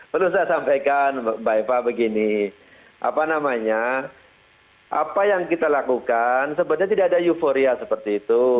perlu saya sampaikan mbak eva begini apa namanya apa yang kita lakukan sebenarnya tidak ada euforia seperti itu